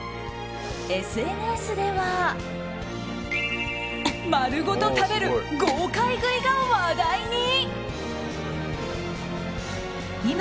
ＳＮＳでは、丸ごと食べる豪快食いが話題に！